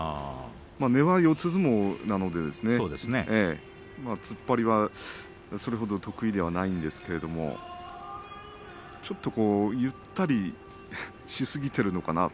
根は四つ相撲なので突っ張りはそれほど得意ではないんですけれどもちょっとゆったりしすぎているのかなと。